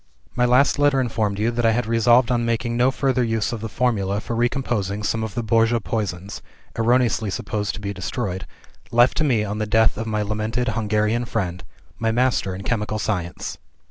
"My last letter informed you that I had resolved on making no further use of the Formula for recomposing some of the Borgia Poisons (erroneously supposed to be destroyed) left to me on the death of my lamented Hungarian friend my master in chemical science.